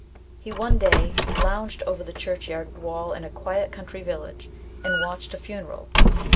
He one day lounged over the churchyard wall in a quiet country village and watched a funeral.